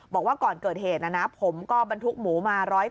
บอกว่าก่อนเกิดเฮตนะผมก็บรรทุกหมูมาร้อยตัว